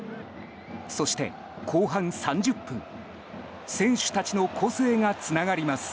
そして後半３０分選手たちの個性がつながります。